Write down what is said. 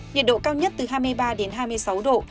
nhiệt độ cao nhất từ hai mươi ba đến hai mươi sáu độ